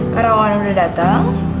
kalau wawan udah datang